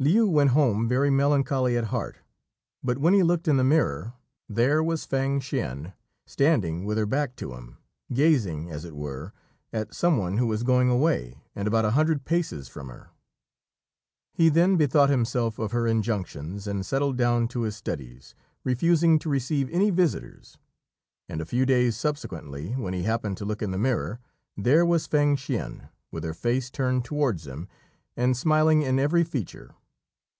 Liu went home very melancholy at heart; but when he looked in the mirror, there was Fêng hsien, standing with her back to him, gazing, as it were, at some one who was going away, and about a hundred paces from her. He then bethought himself of her injunctions, and settled down to his studies, refusing to receive any visitors; and a few days subsequently, when he happened to look in the mirror, there was Fêng hsien, with her face turned towards him, and smiling in every feature.